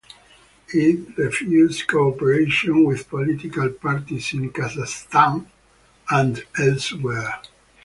It refuses cooperation with political parties in Kazakhstan and elsewhere.